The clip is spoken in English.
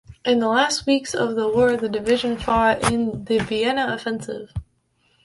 In the last weeks of the war the division fought in the Vienna Offensive.